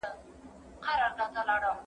تاسو کوم ډول کتابونه خوښوئ؟